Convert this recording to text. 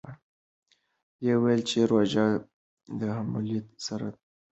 ده وویل چې روژه د همټولیو سره تجربه شوې.